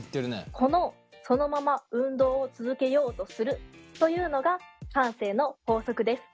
このそのまま運動を続けようとするというのが慣性の法則です。